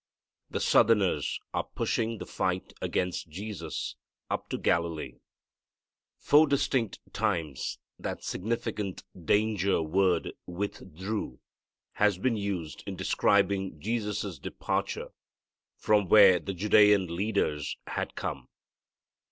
The southerners are pushing the fight against Jesus up into Galilee. Four distinct times that significant danger word "withdrew" has been used in describing Jesus' departure from where the Judean leaders had come.